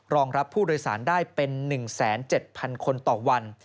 รองรับผู้โดยสารได้เป็น๑๗๐๐คนต่อวัน